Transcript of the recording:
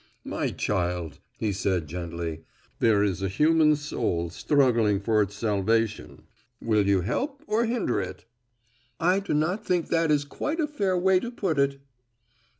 "My child," he said gently, "there is a human soul struggling for its salvation. Will you help or hinder it?" "I do not think that is quite a fair way to put it."